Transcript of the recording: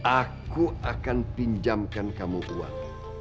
aku akan pinjamkan kamu uang